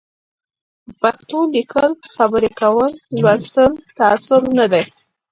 په پښتو لیکل خبري کول لوستل تعصب نه دی